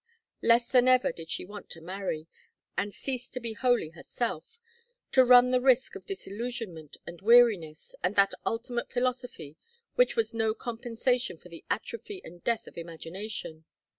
Less than ever did she want to marry, and cease to be wholly herself, to run the risk of disillusionment and weariness, and that ultimate philosophy which was no compensation for the atrophy and death of imagination.